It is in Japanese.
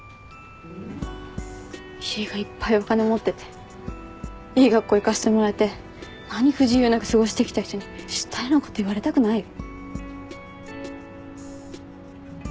家がいっぱいお金持ってていい学校行かせてもらえて何不自由なく過ごしてきた人に知ったようなこと言われたくないよ。